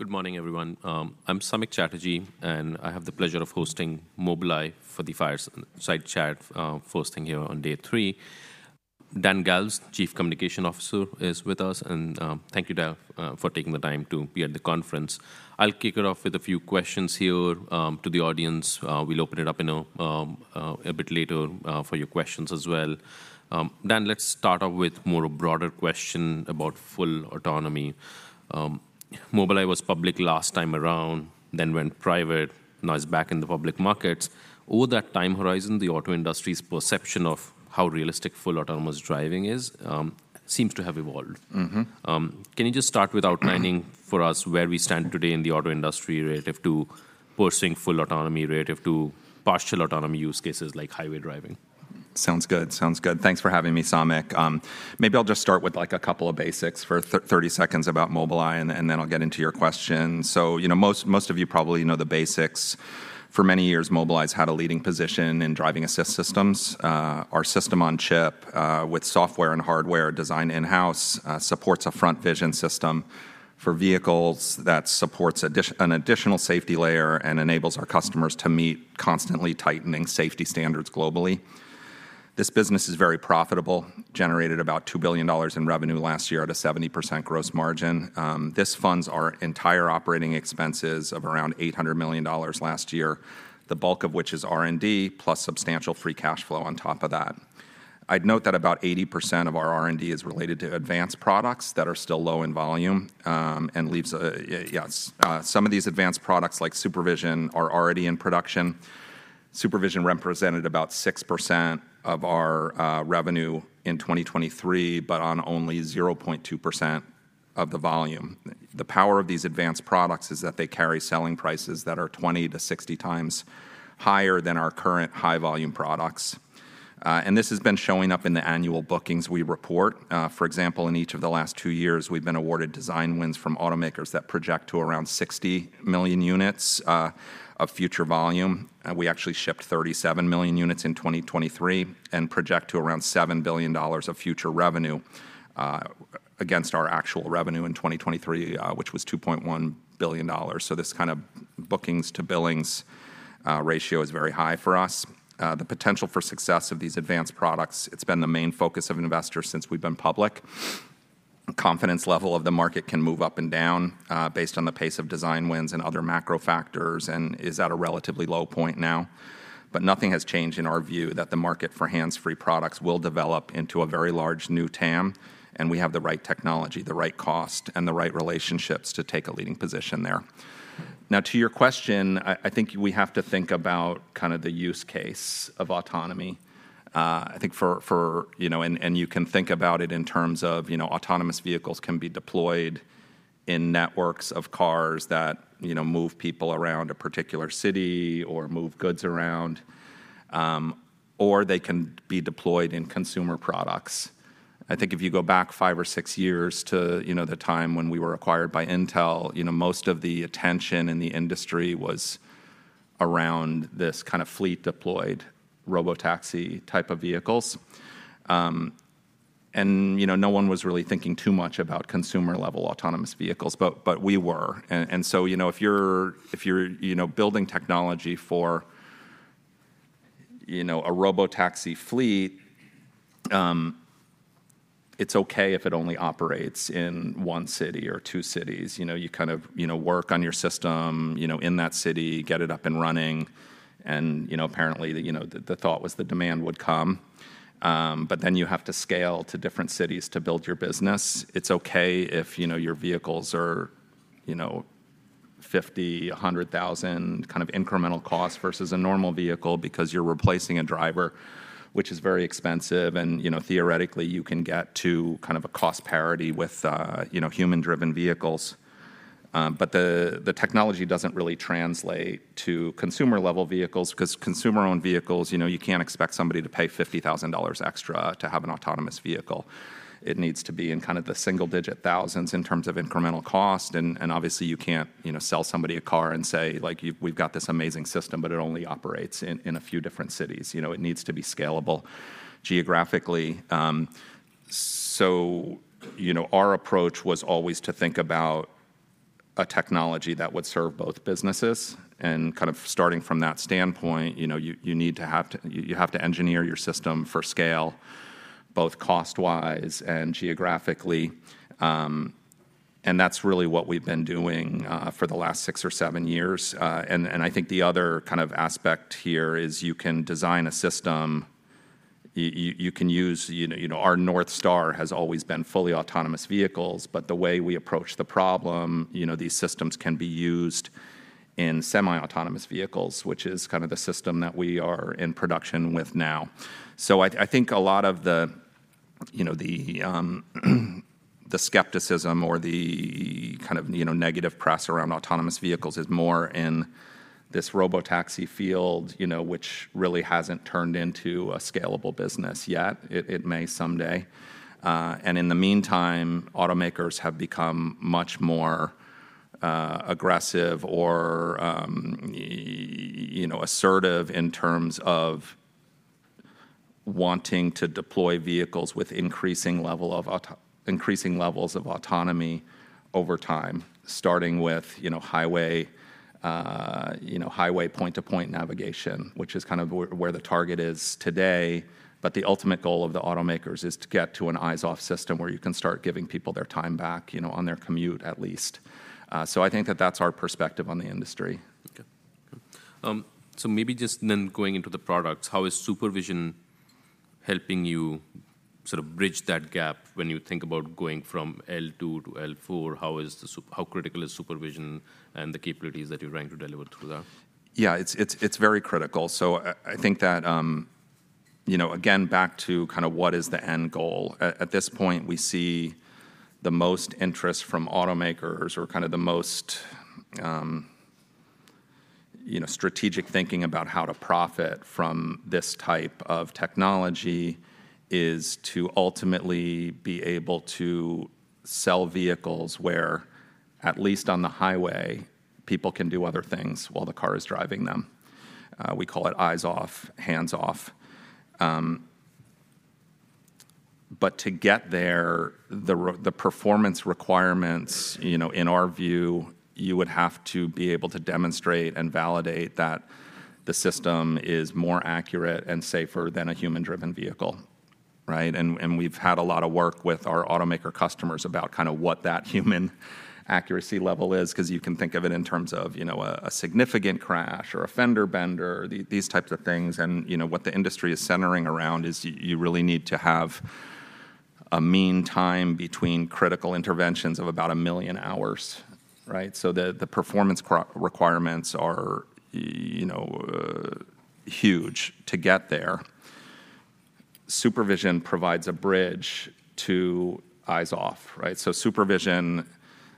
Good morning, everyone. I'm Samik Chatterjee, and I have the pleasure of hosting Mobileye for the fireside chat, first thing here on day three. Dan Galves, Chief Communications Officer, is with us, and, thank you, Dan, for taking the time to be at the conference. I'll kick it off with a few questions here, to the audience. We'll open it up in a bit later, for your questions as well. Dan, let's start off with more a broader question about full autonomy. Mobileye was public last time around, then went private, now it's back in the public markets. Over that time horizon, the auto industry's perception of how realistic full autonomous driving is, seems to have evolved. Mm-hmm. Can you just start with outlining for us where we stand today in the auto industry relative to pursuing full autonomy, relative to partial autonomy use cases like highway driving? Sounds good. Sounds good. Thanks for having me, Samik. Maybe I'll just start with, like, a couple of basics for 30 seconds about Mobileye, and then, I'll get into your questions. So, you know, most, most of you probably know the basics. For many years, Mobileye's had a leading position in driving assist systems. Our system-on-Chip, with software and hardware designed in-house, supports a front vision system for vehicles that supports an additional safety layer and enables our customers to meet constantly tightening safety standards globally. This business is very profitable, generated about $2 billion in revenue last year at a 70% gross margin. This funds our entire operating expenses of around $800 million last year, the bulk of which is R&D, plus substantial free cash flow on top of that. I'd note that about 80% of our R&D is related to advanced products that are still low in volume, and losses. Some of these advanced products, like SuperVision, are already in production. SuperVision represented about 6% of our revenue in 2023, but on only 0.2% of the volume. The power of these advanced products is that they carry selling prices that are 20-60 times higher than our current high-volume products. And this has been showing up in the annual bookings we report. For example, in each of the last two years, we've been awarded design wins from automakers that project to around 60 million units of future volume. We actually shipped 37 million units in 2023 and project to around $7 billion of future revenue, against our actual revenue in 2023, which was $2.1 billion. So this kind of bookings to billings ratio is very high for us. The potential for success of these advanced products, it's been the main focus of investors since we've been public. Confidence level of the market can move up and down, based on the pace of design wins and other macro factors, and is at a relatively low point now. But nothing has changed in our view that the market for hands-free products will develop into a very large new TAM, and we have the right technology, the right cost, and the right relationships to take a leading position there. Now, to your question, I think we have to think about kind of the use case of autonomy. I think, you know, you can think about it in terms of, you know, autonomous vehicles can be deployed in networks of cars that, you know, move people around a particular city or move goods around, or they can be deployed in consumer products. I think if you go back five or six years to, you know, the time when we were acquired by Intel, you know, most of the attention in the industry was around this kind of fleet-deployed robotaxi type of vehicles. And, you know, no one was really thinking too much about consumer-level autonomous vehicles, but we were. So, you know, if you're building technology for a robotaxi fleet, it's okay if it only operates in one city or two cities. You know, you kind of work on your system in that city, get it up and running, and, you know, apparently, the thought was the demand would come. But then you have to scale to different cities to build your business. It's okay if your vehicles are $50,000-$100,000 kind of incremental cost versus a normal vehicle because you're replacing a driver, which is very expensive and, you know, theoretically, you can get to kind of a cost parity with human-driven vehicles. But the technology doesn't really translate to consumer-level vehicles, 'cause consumer-owned vehicles, you know, you can't expect somebody to pay $50,000 extra to have an autonomous vehicle. It needs to be in kind of the single-digit thousands in terms of incremental cost, and obviously, you can't, you know, sell somebody a car and say, like: "We've got this amazing system, but it only operates in a few different cities." You know, it needs to be scalable geographically. So, you know, our approach was always to think about a technology that would serve both businesses, and kind of starting from that standpoint, you know, you need to engineer your system for scale, both cost-wise and geographically. And that's really what we've been doing for the last six or seven years. And I think the other kind of aspect here is you can design a system, you can use... You know, our North star has always been fully autonomous vehicles, but the way we approach the problem, you know, these systems can be used in semi-autonomous vehicles, which is kind of the system that we are in production with now. So I think a lot of the, you know, the skepticism or the kind of, you know, negative press around autonomous vehicles is more in this robotaxi field, you know, which really hasn't turned into a scalable business yet. It may someday. And in the meantime, automakers have become much more aggressive or, you know, assertive in terms of-... wanting to deploy vehicles with increasing levels of autonomy over time, starting with, you know, highway, you know, highway point-to-point navigation, which is kind of where the target is today. But the ultimate goal of the automakers is to get to an eyes-off system, where you can start giving people their time back, you know, on their commute at least. So I think that that's our perspective on the industry. Okay, good. So maybe just then going into the products, how is SuperVision helping you sort of bridge that gap when you think about going from L2-L4? How is SuperVision how critical is SuperVision and the capabilities that you're trying to deliver through that? Yeah, it's very critical. So, I think that, you know, again, back to kind of what is the end goal? At this point, we see the most interest from automakers or kind of the most, you know, strategic thinking about how to profit from this type of technology is to ultimately be able to sell vehicles where, at least on the highway, people can do other things while the car is driving them. We call it eyes-off, hands-off. But to get there, the performance requirements, you know, in our view, you would have to be able to demonstrate and validate that the system is more accurate and safer than a human-driven vehicle, right? And we've had a lot of work with our automaker customers about kind of what that human accuracy level is, 'cause you can think of it in terms of, you know, a significant crash or a fender bender, these types of things. And, you know, what the industry is centering around is you really need to have a mean time between critical interventions of about 1 million hours, right? So the performance requirements are, you know, huge to get there. SuperVision provides a bridge to eyes off, right? So superVision,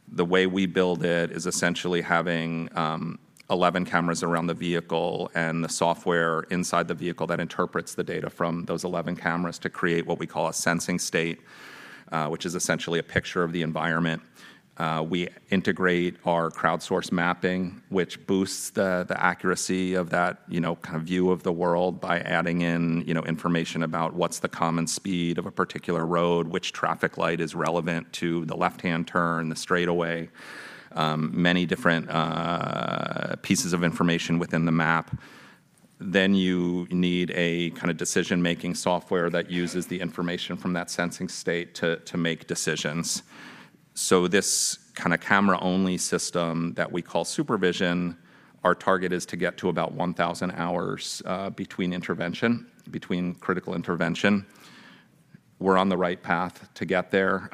the way we build it, is essentially having 11 cameras around the vehicle and the software inside the vehicle that interprets the data from those 11 cameras to create what we call a sensing state, which is essentially a picture of the environment. We integrate our crowdsource mapping, which boosts the accuracy of that, you know, kind of view of the world by adding in, you know, information about what's the common speed of a particular road, which traffic light is relevant to the left-hand turn, the straightaway, many different pieces of information within the map. Then you need a kind of decision-making software that uses the information from that Sensing State to make decisions. So this kind of camera-only system that we call SuperVision, our target is to get to about 1,000 hours between intervention, between critical intervention. We're on the right path to get there.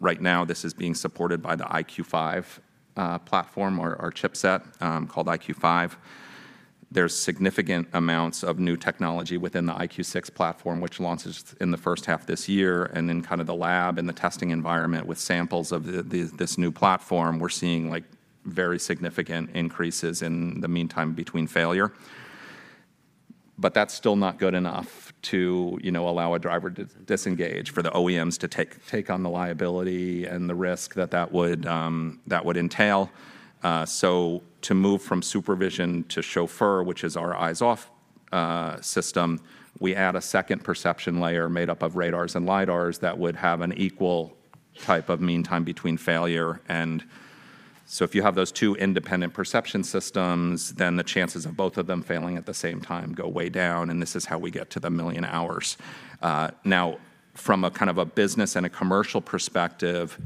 Right now, this is being supported by the EyeQ5 platform, or our chipset, called EyeQ5. There's significant amounts of new technology within the EyeQ6 platform, which launches in the first half of this year, and then kind of the lab and the testing environment with samples of this new platform, we're seeing, like, very significant increases in the mean time between failure. But that's still not good enough to, you know, allow a driver to disengage, for the OEMs to take, take on the liability and the risk that that would that would entail. So to move from supervision to Chauffeur, which is our eyes-off system, we add a second perception layer made up of radars and LiDARs that would have an equal type of mean time between failure. If you have those two independent perception systems, then the chances of both of them failing at the same time go way down, and this is how we get to one million hours. Now, from a kind of a business and a commercial perspective,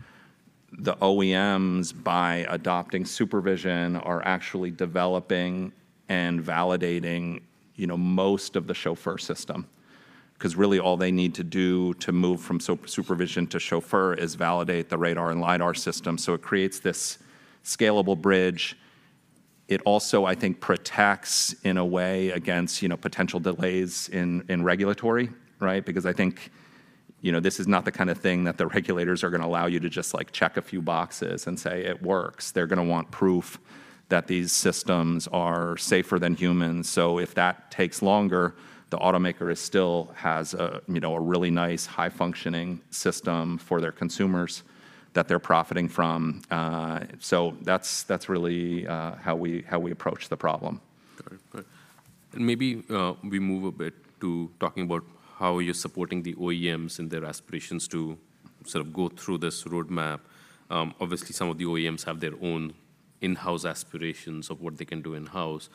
the OEMs, by adopting superVision, are actually developing and validating, you know, most of the Chauffeur system, 'cause really, all they need to do to move from superVision to Chauffeur is validate the radar and lidar system. So it creates this scalable bridge. It also, I think, protects in a way against, you know, potential delays in regulatory, right? Because I think, you know, this is not the kind of thing that the regulators are gonna allow you to just, like, check a few boxes and say, "It works." They're gonna want proof that these systems are safer than humans. So if that takes longer, the automaker is still... has a, you know, a really nice, high-functioning system for their consumers that they're profiting from. So that's, that's really how we, how we approach the problem. Got it. Got it. And maybe we move a bit to talking about how you're supporting the OEMs and their aspirations to sort of go through this roadmap. Obviously, some of the OEMs have their own in-house aspirations of what they can do in-house.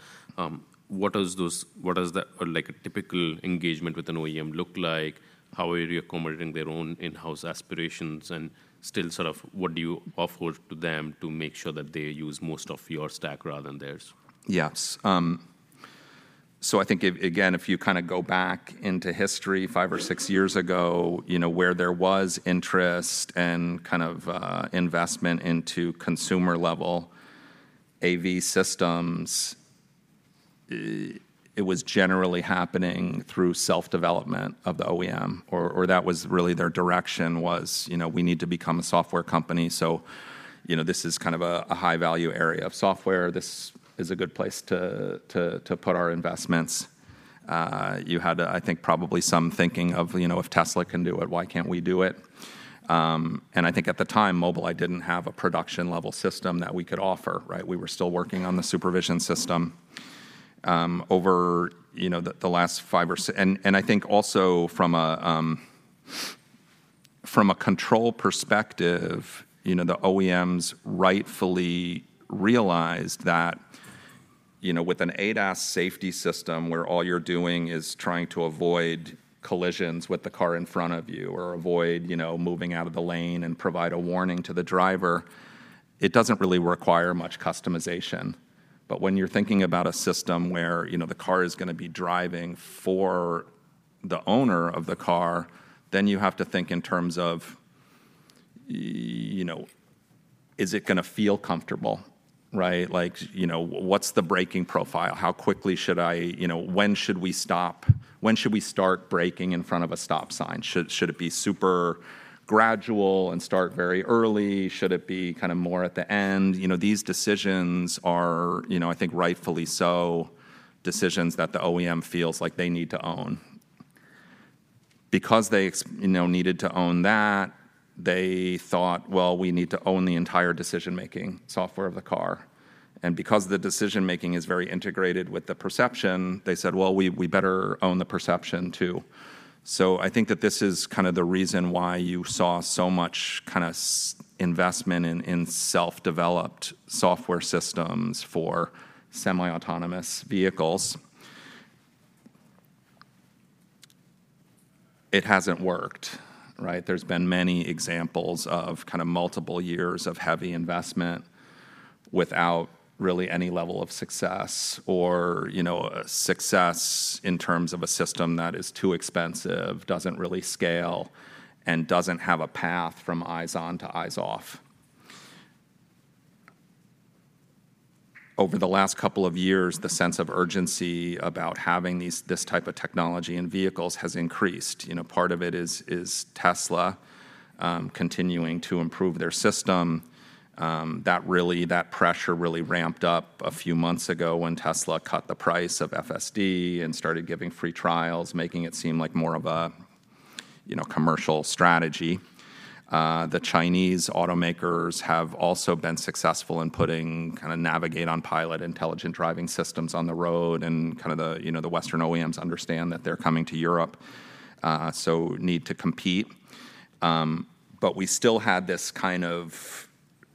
What does that, like, a typical engagement with an OEM look like? How are you accommodating their own in-house aspirations, and still sort of what do you offer to them to make sure that they use most of your stack rather than theirs? Yes. So I think if, again, if you kind of go back into history five or six years ago, you know, where there was interest and kind of, investment into consumer-level AV systems, it was generally happening through self-development of the OEM, or, or that was really their direction, was, you know, "We need to become a software company, so, you know, this is kind of a, a high-value area of software. This is a good place to, to, to put our investments." You had, I think, probably some thinking of, you know, "If Tesla can do it, why can't we do it?"... and I think at the time, Mobileye didn't have a production-level system that we could offer, right? We were still working on the superVision system. And I think also from a control perspective, you know, the OEMs rightfully realized that, you know, with an ADAS safety system, where all you're doing is trying to avoid collisions with the car in front of you or avoid, you know, moving out of the lane and provide a warning to the driver, it doesn't really require much customization. But when you're thinking about a system where, you know, the car is gonna be driving for the owner of the car, then you have to think in terms of, you know, is it gonna feel comfortable, right? Like, you know, what's the braking profile? How quickly should I... You know, when should we stop? When should we start braking in front of a stop sign? Should it be super gradual and start very early? Should it be kind of more at the end? You know, these decisions are, you know, I think rightfully so, decisions that the OEM feels like they need to own. Because they you know, needed to own that, they thought, "Well, we need to own the entire decision-making software of the car." And because the decision-making is very integrated with the perception, they said, "Well, we, we better own the perception, too." So I think that this is kind of the reason why you saw so much kind of investment in self-developed software systems for semi-autonomous vehicles. It hasn't worked, right? There's been many examples of kind of multiple years of heavy investment without really any level of success or, you know, a success in terms of a system that is too expensive, doesn't really scale, and doesn't have a path from eyes on to eyes off. Over the last couple of years, the sense of urgency about having these, this type of technology in vehicles has increased. You know, part of it is Tesla continuing to improve their system. That pressure really ramped up a few months ago when Tesla cut the price of FSD and started giving free trials, making it seem like more of a, you know, commercial strategy. The Chinese automakers have also been successful in putting kind of Navigate on Pilot, intelligent driving systems on the road, and kind of the, you know, the Western OEMs understand that they're coming to Europe, so need to compete. But we still had this kind of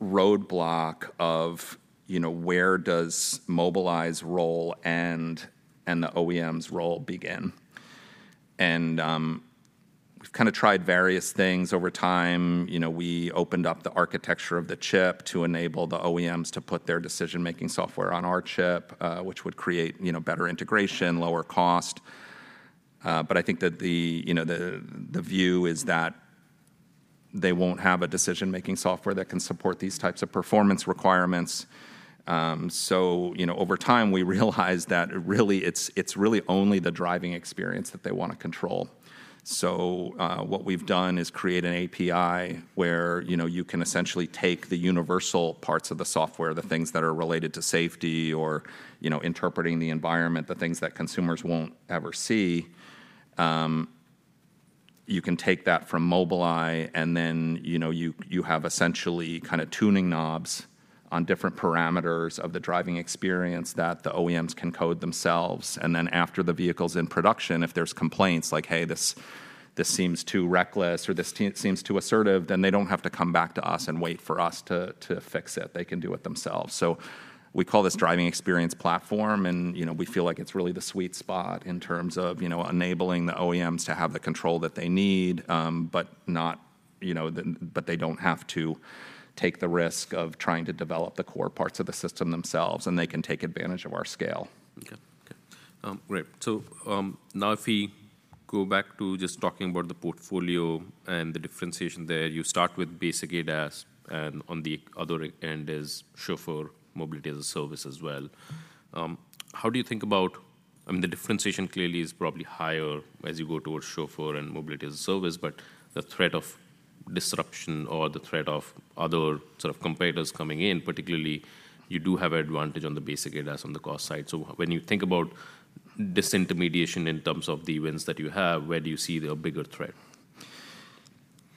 roadblock of, you know, where does Mobileye's role end and the OEM's role begin? And, we've kind of tried various things over time. You know, we opened up the architecture of the chip to enable the OEMs to put their decision-making software on our chip, which would create, you know, better integration, lower cost. But I think that the, you know, the, the view is that they won't have a decision-making software that can support these types of performance requirements. So, you know, over time, we realized that really it's, it's really only the driving experience that they wanna control. So, what we've done is create an API where, you know, you can essentially take the universal parts of the software, the things that are related to safety or, you know, interpreting the environment, the things that consumers won't ever see. You can take that from Mobileye, and then, you know, you, you have essentially kind of tuning knobs on different parameters of the driving experience that the OEMs can code themselves. And then after the vehicle's in production, if there's complaints like, "Hey, this, this seems too reckless," or, "This seems too assertive," then they don't have to come back to us and wait for us to, to fix it. They can do it themselves. So we call this Driving Experience Platform, and, you know, we feel like it's really the sweet spot in terms of, you know, enabling the OEMs to have the control that they need, but not, you know, but they don't have to take the risk of trying to develop the core parts of the system themselves, and they can take advantage of our scale. Okay. Okay. Great. So, now if we go back to just talking about the portfolio and the differentiation there, you start with basic ADAS, and on the other end is Chauffeur mobility as a service as well. How do you think about... I mean, the differentiation clearly is probably higher as you go towards Chauffeur and mobility as a service, but the threat of disruption or the threat of other sort of competitors coming in, particularly, you do have advantage on the basic ADAS on the cost side. So when you think about disintermediation in terms of the wins that you have, where do you see the bigger threat?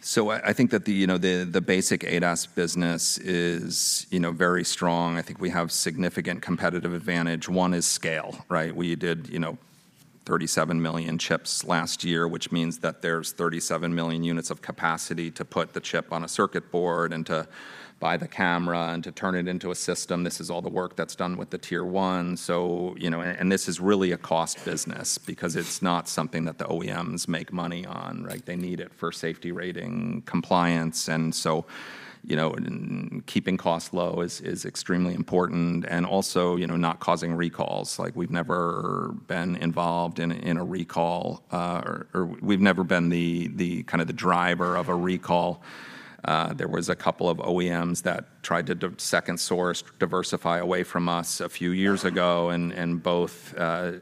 So I think that the, you know, the basic ADAS business is, you know, very strong. I think we have significant competitive advantage. One is scale, right? We did, you know, 37 million chips last year, which means that there's 37 million units of capacity to put the chip on a circuit board and to buy the camera and to turn it into a system. This is all the work that's done with the Tier 1, so, you know... And this is really a cost business because it's not something that the OEMs make money on, right? They need it for safety rating, compliance, and so, you know, keeping costs low is extremely important, and also, you know, not causing recalls. Like, we've never been involved in a recall, or we've never been the kind of the driver of a recall. There was a couple of OEMs that tried to second source, diversify away from us a few years ago, and both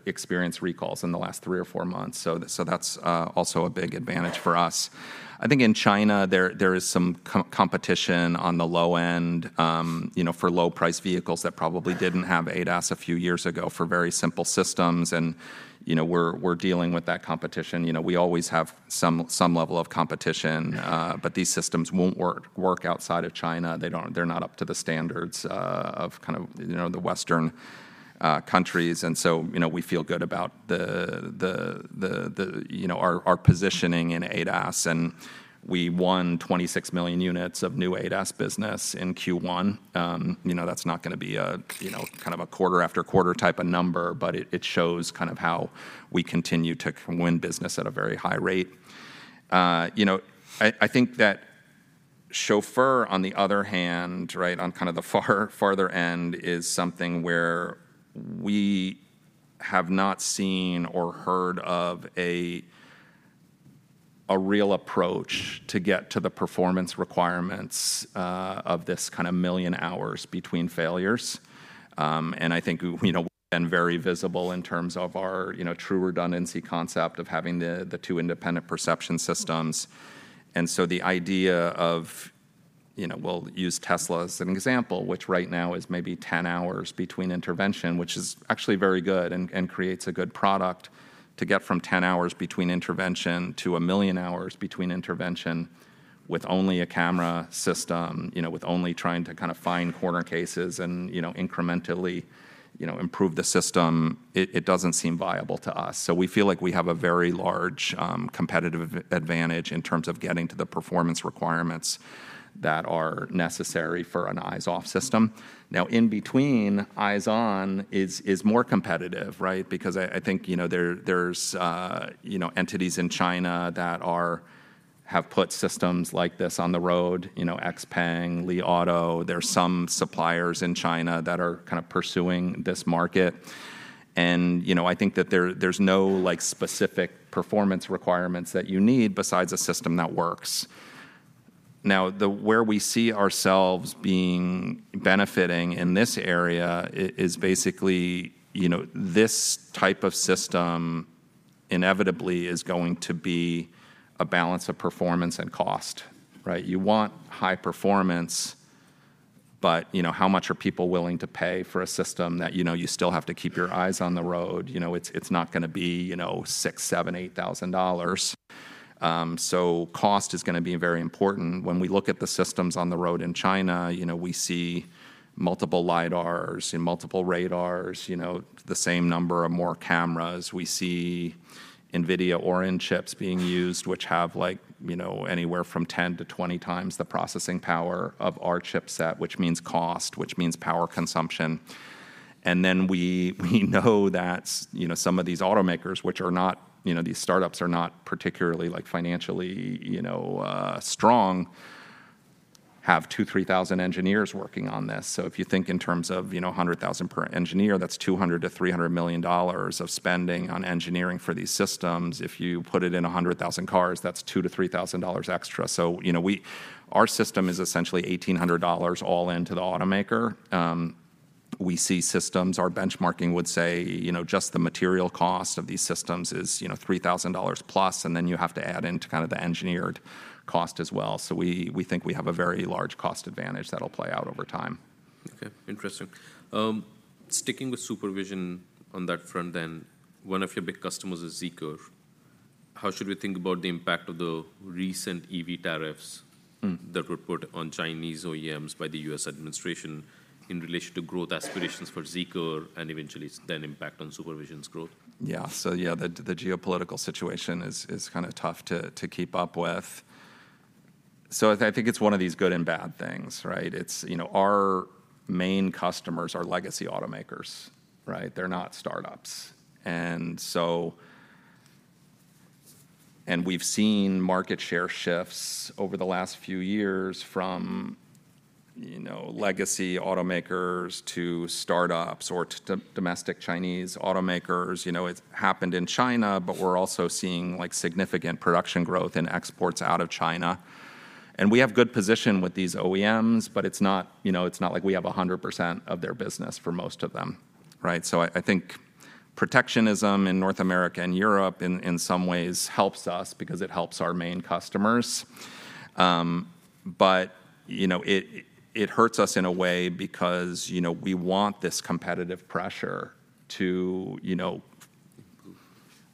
experienced recalls in the last three or four months. So that's also a big advantage for us. I think in China, there is some competition on the low end, you know, for low-priced vehicles that probably didn't have ADAS a few years ago, for very simple systems, and, you know, we're dealing with that competition. You know, we always have some level of competition, but these systems won't work outside of China. They're not up to the standards of kind of, you know, the Western-... countries, and so, you know, we feel good about our positioning in ADAS, and we won 26 million units of new ADAS business in Q1. You know, that's not gonna be a you know, kind of a quarter after quarter type of number, but it shows kind of how we continue to win business at a very high rate. You know, I think that Chauffeur, on the other hand, right, on kind of the farther end, is something where we have not seen or heard of a real approach to get to the performance requirements of this kind of one million hours between failures. And I think, you know, we've been very visible in terms of our true redundancy concept of having the two independent perception systems. And so the idea of, you know, we'll use Tesla as an example, which right now is maybe 10 hours between intervention, which is actually very good and creates a good product. To get from 10 hours between intervention to one million hours between intervention with only a camera system, you know, with only trying to kind find corner cases and, you know, incrementally, you know, improve the system, it doesn't seem viable to us. So we feel like we have a very large competitive advantage in terms of getting to the performance requirements that are necessary for an eyes-off system. Now, in between, eyes on is more competitive, right? Because I think, you know, there's entities in China that have put systems like this on the road, you know, XPENG, Li Auto. There are some suppliers in China that are kind of pursuing this market. You know, I think that there, there's no, like, specific performance requirements that you need besides a system that works. Now, where we see ourselves benefiting in this area, is basically, you know, this type of system inevitably is going to be a balance of performance and cost, right? You want high performance, but, you know, how much are people willing to pay for a system that, you know, you still have to keep your eyes on the road? You know, it's not gonna be $6,000-$8,000. So cost is gonna be very important. When we look at the systems on the road in China, you know, we see multiple LiDARs and multiple radars, you know, the same number or more cameras. We see NVIDIA Orin chips being used, which have, like, you know, anywhere from 10-20 times the processing power of our chipset, which means cost, which means power consumption. And then we, we know that, you know, some of these automakers, which are not, you know, these startups are not particularly, like, financially, you know, strong, have 2,000-3,000 engineers working on this. So if you think in terms of, you know, $100,000 per engineer, that's $200 million-$300 million of spending on engineering for these systems. If you put it in a 100,000 cars, that's $2,000-$3,000 extra. So, you know, we- our system is essentially $1,800 all into the automaker. We see systems. Our benchmarking would say, you know, just the material cost of these systems is, you know, $3,000+, and then you have to add in to kind of the engineered cost as well. So we think we have a very large cost advantage that'll play out over time. Okay, interesting. Sticking with SuperVision on that front then, one of your big customers is ZEEKR. How should we think about the impact of the recent EV tariffs- Mm... that were put on Chinese OEMs by the U.S. administration in relation to growth aspirations for ZEEKR and eventually its then impact on SuperVision's growth? Yeah. So yeah, the geopolitical situation is kinda tough to keep up with. So I think it's one of these good and bad things, right? It's, you know, our main customers are legacy automakers, right? They're not startups. And we've seen market share shifts over the last few years from, you know, legacy automakers to startups or to domestic Chinese automakers. You know, it's happened in China, but we're also seeing, like, significant production growth in exports out of China. And we have good position with these OEMs, but it's not, you know, it's not like we have 100% of their business for most of them, right? So I think protectionism in North America and Europe, in some ways, helps us because it helps our main customers. But, you know, it, it hurts us in a way because, you know, we want this competitive pressure to, you know,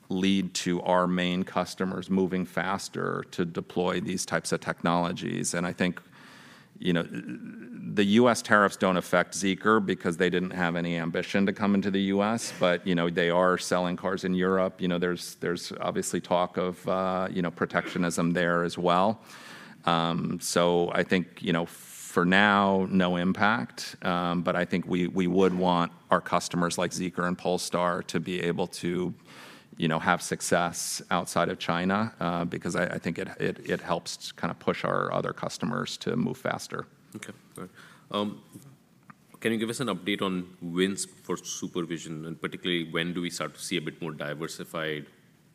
lead to our main customers moving faster to deploy these types of technologies. And I think, you know, the U.S. tariffs don't affect ZEEKR because they didn't have any ambition to come into the U.S., but, you know, they are selling cars in Europe. You know, there's, there's obviously talk of, you know, protectionism there as well. So I think, you know, for now, no impact, but I think we, we would want our customers, like ZEEKR and Polestar, to be able to, you know, have success outside of China, because I, I think it, it, it helps to kinda push our other customers to move faster. Okay, great. Can you give us an update on wins for SuperVision, and particularly, when do we start to see a bit more diversified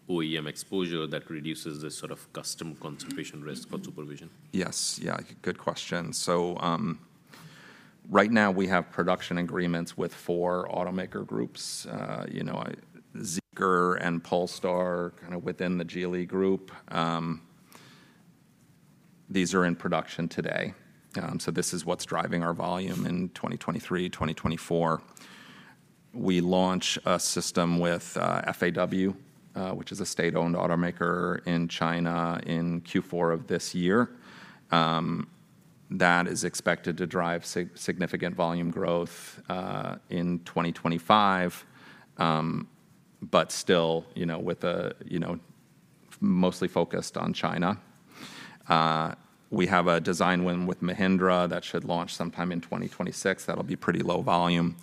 OEM exposure that reduces the sort of customer concentration risk for SuperVision? Yes. Yeah, good question. So, right now, we have production agreements with four automaker groups. You know, ZEEKR and Polestar, kind of within the Geely group. These are in production today. So this is what's driving our volume in 2023, 2024. We launch a system with FAW, which is a state-owned automaker in China, in Q4 of this year. That is expected to drive significant volume growth in 2025. But still, you know, with a, you know, mostly focused on China. We have a design win with Mahindra that should launch sometime in 2026. That'll be pretty low volume.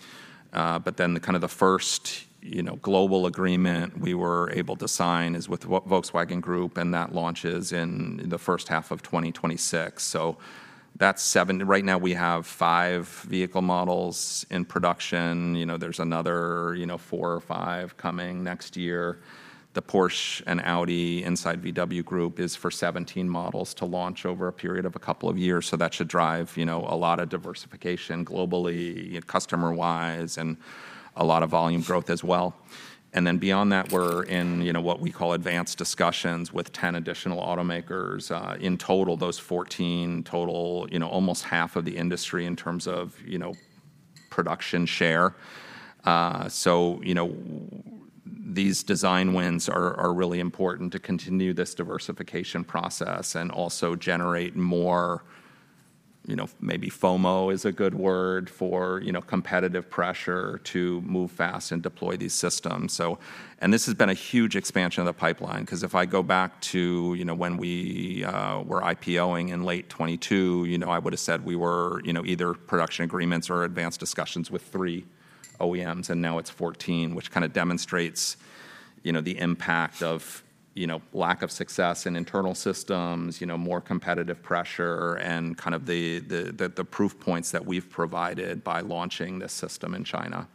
But then the kind of the first, you know, global agreement we were able to sign is with Volkswagen Group, and that launches in the first half of 2026. So that's seven. Right now, we have five vehicle models in production. You know, there's another, you know, four or five coming next year. The Porsche and Audi inside VW Group is for 17 models to launch over a period of a couple of years, so that should drive, you know, a lot of diversification globally, customer-wise, and a lot of volume growth as well. And then beyond that, we're in, you know, what we call advanced discussions with 10 additional automakers. In total, those 14 total, you know, almost half of the industry in terms of, you know, production share. So, you know, these design wins are really important to continue this diversification process and also generate more, you know, maybe FOMO is a good word for, you know, competitive pressure to move fast and deploy these systems. So... This has been a huge expansion of the pipeline, 'cause if I go back to, you know, when we were IPO-ing in late 2022, you know, I would have said we were, you know, either production agreements or advanced discussions with three OEMs, and now it's 14, which kinda demonstrates, you know, the impact of, you know, lack of success in internal systems, you know, more competitive pressure, and kind of the proof points that we've provided by launching this system in China.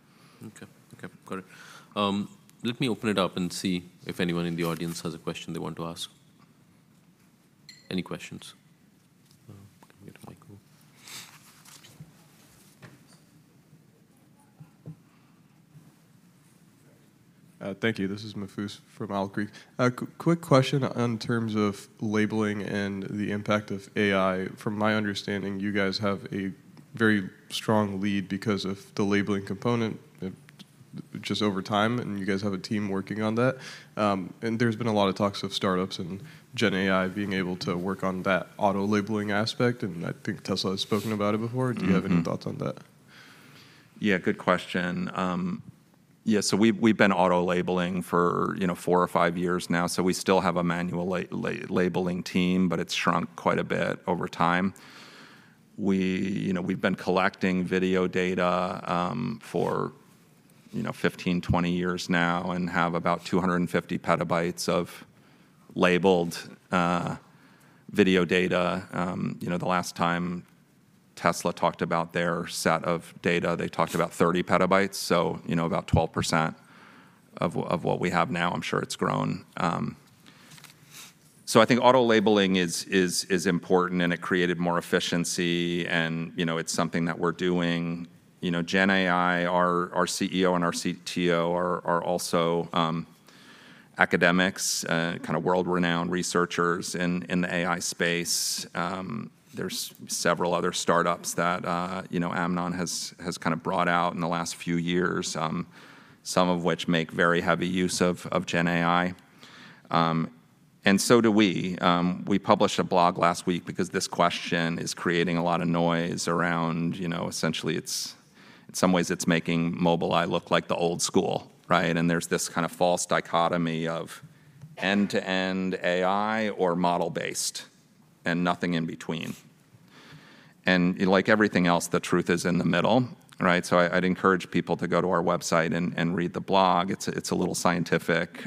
Okay. Okay, got it. Let me open it up and see if anyone in the audience has a question they want to ask. Any questions? Can we get a mic over? Thank you. This is Mahfouz from Owl Creek. A quick question on terms of labeling and the impact of AI. From my understanding, you guys have a very strong lead because of the labeling component, just over time, and you guys have a team working on that. There's been a lot of talks of startups and Gen AI being able to work on that auto-labeling aspect, and I think Tesla has spoken about it before. Mm-hmm. Do you have any thoughts on that? Yeah, good question. Yeah, so we've, we've been auto-labeling for, you know, four or five years now, so we still have a manual labeling team, but it's shrunk quite a bit over time. We, you know, we've been collecting video data for, you know, 15, 20 years now and have about 250 PB of labeled video data. You know, the last time Tesla talked about their set of data, they talked about 30 PB, so, you know, about 12% of what we have now. I'm sure it's grown. So I think auto-labeling is important, and it created more efficiency, and, you know, it's something that we're doing. You know, Gen AI, our CEO and our CTO are also academics, kinda world-renowned researchers in the AI space. There's several other startups that, you know, Amnon has, has kind of brought out in the last few years, some of which make very heavy use of, of gen AI, and so do we. We published a blog last week because this question is creating a lot of noise around, you know, essentially it's... In some ways, it's making Mobileye look like the old school, right? And there's this kind of false dichotomy of end-to-end AI or model-based, and nothing in between. And like everything else, the truth is in the middle, right? So I, I'd encourage people to go to our website and, and read the blog. It's a little scientific,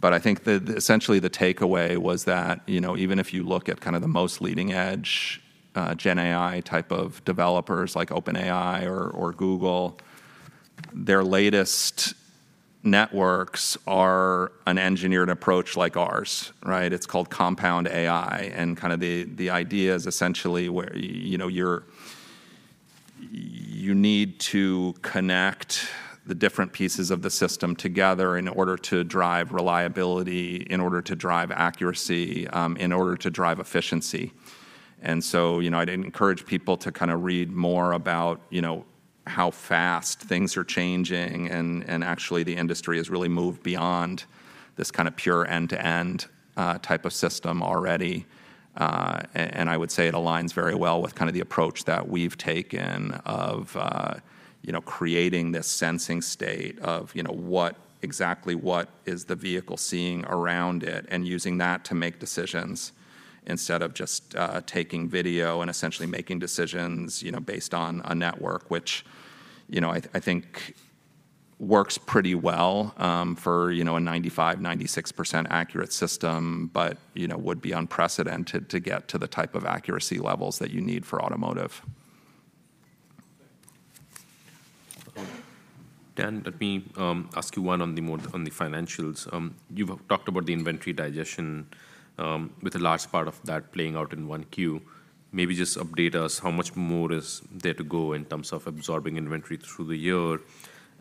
but I think essentially the takeaway was that, you know, even if you look at kind of the most leading-edge gen AI type of developers, like OpenAI or Google, their latest networks are an engineered approach like ours, right? It's called compound AI, and kind the idea is essentially where, you know, you're you need to connect the different pieces of the system together in order to drive reliability, in order to drive accuracy, in order to drive efficiency. And so, you know, I'd encourage people to kind read more about, you know, how fast things are changing, and actually the industry has really moved beyond this kind of pure end-to-end type of system already. And I would say it aligns very well with kind the approach that we've taken of you know creating this sensing state of you know what exactly what is the vehicle seeing around it? And using that to make decisions instead of just taking video and essentially making decisions you know based on a network, which you know I think works pretty well for you know a 95%-96% accurate system, but you know would be unprecedented to get to the type of accuracy levels that you need for automotive. Dan, let me ask you one on the more, on the financials. You've talked about the inventory digestion, with a large part of that playing out in Q1. Maybe just update us how much more is there to go in terms of absorbing inventory through the year.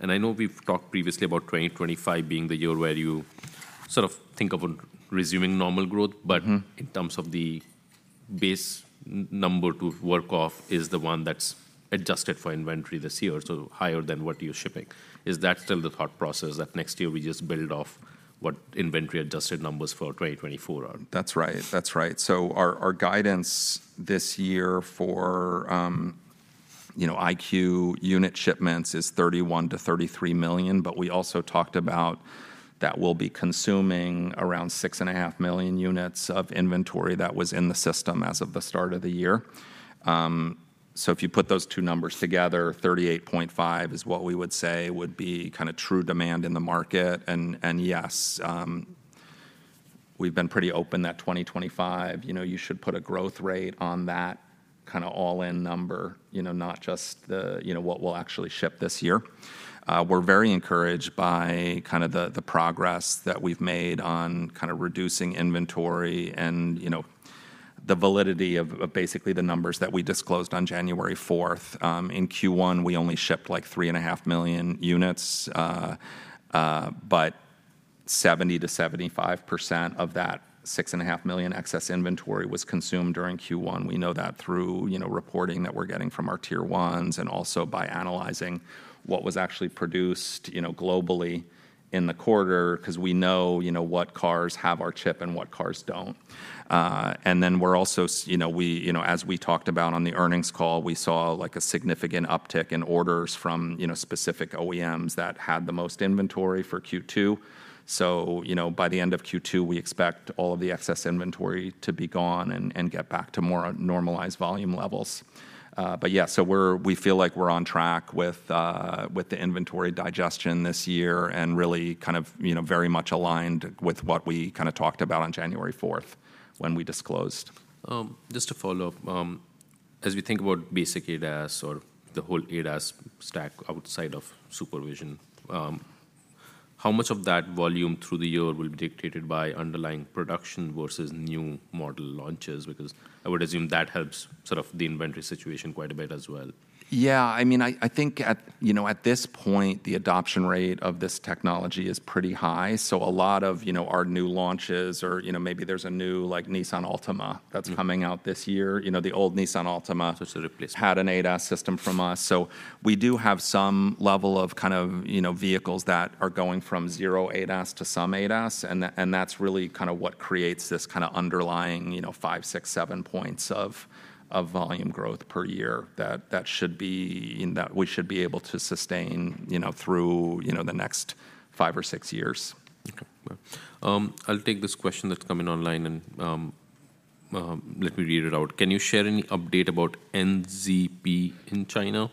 And I know we've talked previously about 2025 being the year where you sort of think about resuming normal growth- Mm-hmm... but in terms of the base number to work off is the one that's adjusted for inventory this year, so higher than what you're shipping. Is that still the thought process, that next year we just build off what inventory-adjusted numbers for 2024 are? That's right. That's right. So our guidance this year for, you know, EyeQ unit shipments is 31-33 million, but we also talked about that we'll be consuming around 6.5 million units of inventory that was in the system as of the start of the year. So if you put those two numbers together, 38.5 is what we would say would be kind true demand in the market. And yes, we've been pretty open that 2025, you know, you should put a growth rate on that kind all-in number, you know, not just the, you know, what we'll actually ship this year. We're very encouraged by kind the progress that we've made on kind reducing inventory and, you know, the validity of basically the numbers that we disclosed on January 4th. In Q1, we only shipped, like, 3.5 million units. But 70%-75% of that 6.5 million excess inventory was consumed during Q1. We know that through, you know, reporting that we're getting from our tier ones, and also by analyzing what was actually produced, you know, globally in the quarter, 'cause we know, you know, what cars have our chip and what cars don't. And then, you know, we, you know, as we talked about on the earnings call, we saw, like, a significant uptick in orders from, you know, specific OEMs that had the most inventory for Q2. So, you know, by the end of Q2, we expect all of the excess inventory to be gone and get back to more normalized volume levels. But yeah, so we feel like we're on track with the inventory digestion this year, and really kind of, you know, very much aligned with what we kinda talked about on January 4th when we disclosed. Just to follow up, as we think about basic ADAS or the whole ADAS stack outside of superVision, how much of that volume through the year will be dictated by underlying production versus new model launches? Because I would assume that helps sort of the inventory situation quite a bit as well. Yeah, I mean, I think at, you know, at this point, the adoption rate of this technology is pretty high, so a lot of, you know, our new launches or, you know, maybe there's a new, like, Nissan Altima- Mm... that's coming out this year. You know, the old Nissan Altima- So sort of this- Had an ADAS system from us. So we do have some level of kind of, you know, vehicles that are going from 0 ADAS to some ADAS, and that, and that's really kinda what creates this kinda underlying, you know, five-seven points of volume growth per year, that, that should be, and that we should be able to sustain, you know, through, you know, the next five or six years. Okay. I'll take this question that's come in online, and let me read it out. "Can you share any update about NZP in China,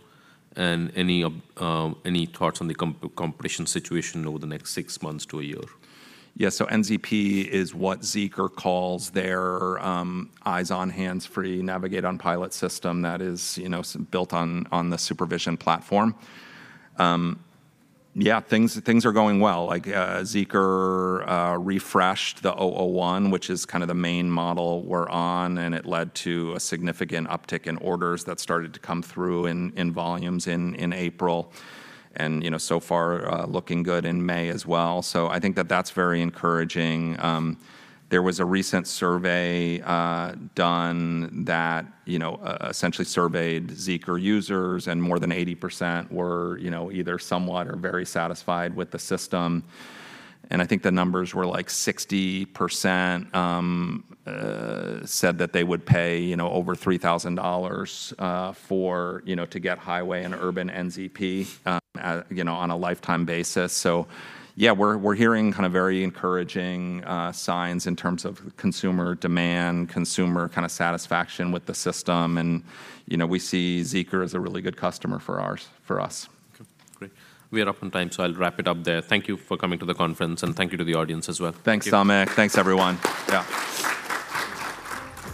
and any thoughts on the competition situation over the next six months to a year? Yeah, so NZP is what ZEEKR calls their eyes-on, hands-free Navigation ZEEKR Pilot system that is, you know, built on the SuperVision platform. Yeah, things are going well. Like, ZEEKR refreshed the 001, which is kind of the main model we're on, and it led to a significant uptick in orders that started to come through in volumes in April, and, you know, so far, looking good in May as well. So I think that that's very encouraging. There was a recent survey done that essentially surveyed ZEEKR users, and more than 80% were, you know, either somewhat or very satisfied with the system. I think the numbers were, like, 60% said that they would pay, you know, over $3,000, for, you know, to get highway and urban NZP, you know, on a lifetime basis. So yeah, we're, we're hearing kind of very encouraging signs in terms of consumer demand, consumer kind satisfaction with the system, and, you know, we see ZEEKR as a really good customer for ours, for us. Okay, great. We are up on time, so I'll wrap it up there. Thank you for coming to the conference, and thank you to the audience as well. Thanks, Samik. Thanks, everyone. Yeah.